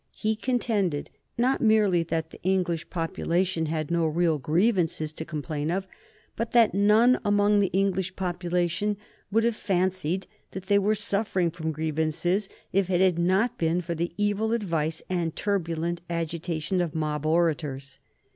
He contended not merely that the English population had no real grievances to complain of, but that none among the English population would have fancied that they were suffering from grievances if it had not been for the evil advice and turbulent agitation of mob orators.